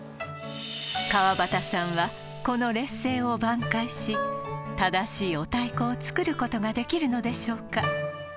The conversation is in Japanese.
川畑さんはこの劣勢を挽回し正しいお太鼓を作ることができるのでしょうか